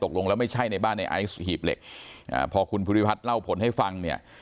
ตกลงแล้วไม่ใช่ในบ้านในไอซ์หีบเหล็กอ่าพอคุณภูริพัฒน์เล่าผลให้ฟังเนี่ย